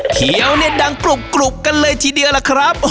เขียวเนี่ยดังกรุบกันเลยทีเดียวล่ะครับ